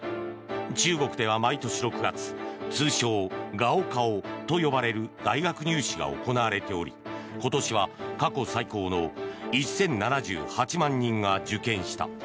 中国では毎年６月通称・ガオカオと呼ばれる大学入試が行われており今年は過去最高の１０７８万人が受験した。